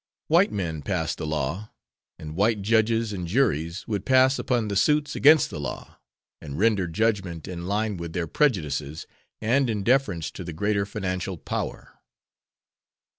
White men passed the law, and white judges and juries would pass upon the suits against the law, and render judgment in line with their prejudices and in deference to the greater financial power.